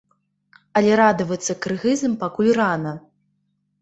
Але радавацца кыргызам пакуль рана.